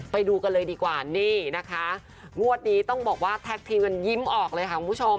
ไปดูกันเลยดีกว่านี่นะคะงวดนี้ต้องบอกว่าแท็กทีมกันยิ้มออกเลยค่ะคุณผู้ชม